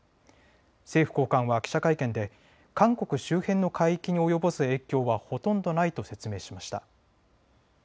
政府高官は記者会見で韓国周辺の海域に及ぼす影響はほとんどないと説明しました。